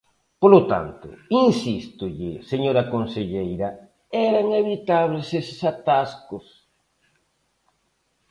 Polo tanto, insístolle, señora conselleira: eran evitables eses atascos.